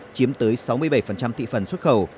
chiếm tới sáu mươi bảy triệu tấn